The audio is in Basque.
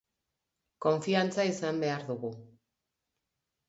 Konfiantza izan behar dugu.